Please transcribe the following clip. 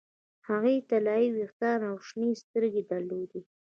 هغې طلايي ویښتان او شنې سترګې درلودې